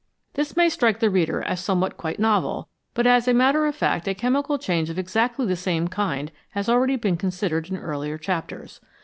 This may strike the reader as something quite novel, but as a matter of fact a chemical change of exactly the' same kind has already been considered in earlier chapters.